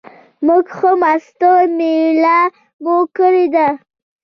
موږ ښه مسته مېله مو کړې وای.